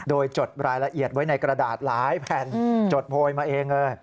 โดยจดรายละเอียดไว้ในกระดาษหลายแผ่นจดโพยมาเองเลย